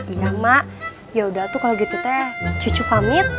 iya emak yaudah tuh kalau gitu teh cucu pamit